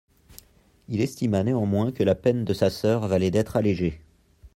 Il estima néanmoins que la peine de sa sœur valait d'être allégée.